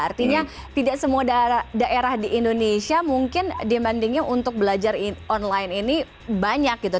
artinya tidak semua daerah di indonesia mungkin dibandingnya untuk belajar online ini banyak gitu